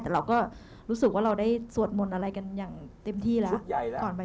แต่เราก็รู้สึกว่าเราได้สวดมนต์อะไรกันอย่างเต็มที่แล้ว